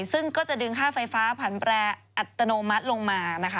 ซึ่งก็จะดึงค่าไฟฟ้าผ่านแปรอัตโนมัติลงมานะคะ